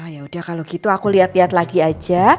ya udah kalau gitu aku liat liat lagi aja